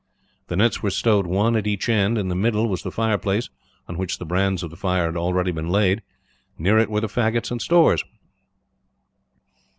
The nets were stowed one, at each end. In the middle was the fireplace, on which the brands of the fire had already been laid. Near it were the faggots and stores.